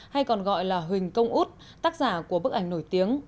hay còn gọi là huỳnh công út tác giả của bức ảnh nổi tiếng